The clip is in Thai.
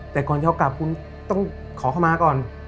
แต่ก่อนจะเอากลับคุณต้องขอเข้ามาก่อน